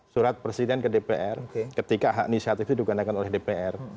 surat presiden ke dpr ketika hak inisiatif itu digandalkan oleh dpr